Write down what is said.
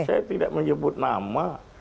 saya tidak menyebut nama